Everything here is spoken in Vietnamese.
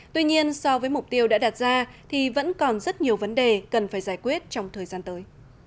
tuy nhiên so với mục tiêu đã đạt ra thì vẫn còn rất nhiều vấn đề cần phải giải quyết trong thời gian tới